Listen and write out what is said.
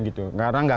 karena tidak sanggup